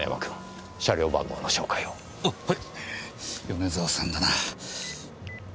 米沢さんだな。